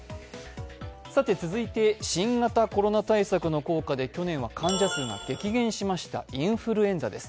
続いて、新型コロナ対策の効果で去年は患者数が激減しましたインフルエンザです。